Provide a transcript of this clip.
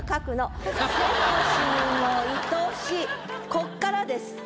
こっからです。